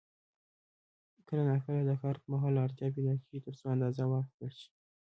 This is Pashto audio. کله نا کله د کار پر مهال اړتیا پیدا کېږي ترڅو اندازه واخیستل شي.